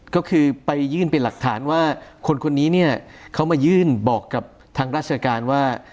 ก็คือไปยื่นเป็นหลักฐานว่าคนคนนี้เนี่ยเขามายื่นบอกกับทางราชการว่า